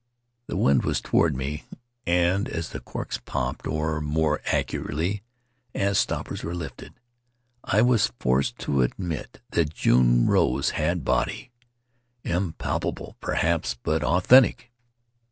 The wind was toward me, and as the corks popped — or, more accurately, as stoppers were lifted — I was forced to admit that June Rose had body, impalpable, perhaps, but authentic.